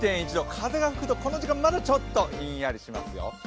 風が吹くと、この時間まだちょっとひんやりしますよ。